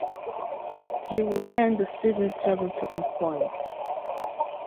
He would end the season seventh in points.